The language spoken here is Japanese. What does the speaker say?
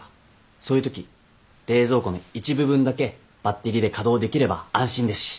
そういうとき冷蔵庫の一部分だけバッテリーで稼働できれば安心ですし。